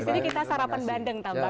habis ini kita sarapan bandeng tambangnya